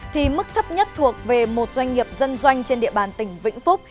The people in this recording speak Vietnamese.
thì mức thấp nhất thuộc về một doanh nghiệp dân doanh trên địa bàn tỉnh vĩnh phúc